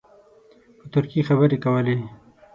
په ترکي خبرې کولې.